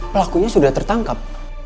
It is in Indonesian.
pelakunya sudah tertangkap